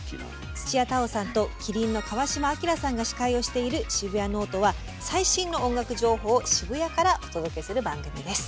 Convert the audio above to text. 土屋太鳳さんと麒麟の川島明さんが司会をしている「シブヤノオト」は最新の音楽情報を渋谷からお届けする番組です。